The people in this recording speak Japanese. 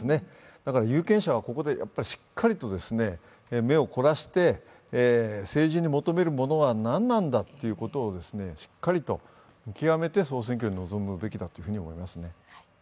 だから有権者は、ここでしっかりと目を凝らして、政治に求めるものは何なんだということをしっかり見極めて総選挙に臨むべきだと思いますね。